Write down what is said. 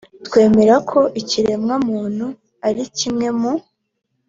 twemera ko ikiremwa muntu ari kimwe mu